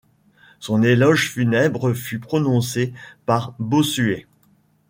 Son éloge funèbre fut prononcé par Bossuet.